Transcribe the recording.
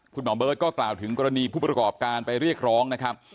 หมอเบิร์ตก็กล่าวถึงกรณีผู้ประกอบการไปเรียกร้องนะครับ